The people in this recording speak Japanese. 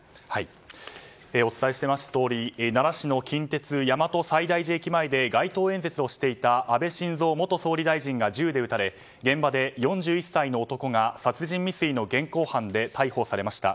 お伝えしていますとおり奈良市の近鉄大和西大寺駅前で街頭演説をしていた安倍晋三元総理大臣が銃で撃たれ現場で４１歳の男が殺人未遂の現行犯で逮捕されました。